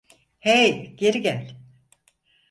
Hey, geri gel!